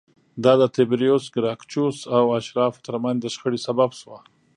دا د تبریوس ګراکچوس او اشرافو ترمنځ د شخړې سبب شوه